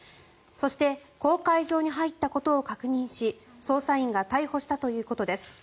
そして公海上に入ったことを確認し捜査員が逮捕したということです。